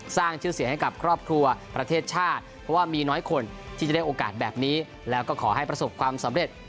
สร้างชื่อเสียงให้กับครอบครัวประเทศชาติเพราะว่ามีน้อยคนที่จะได้โอกาสแบบนี้แล้วก็ขอให้ประสบความสำเร็จ